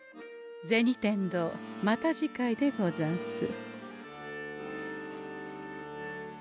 銭天堂また次回でござんす。